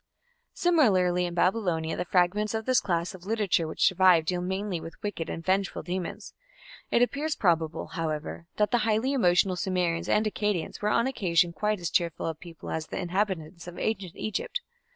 Similarly in Babylonia the fragments of this class of literature which survive deal mainly with wicked and vengeful demons. It appears probable, however, that the highly emotional Sumerians and Akkadians were on occasion quite as cheerful a people as the inhabitants of ancient Egypt.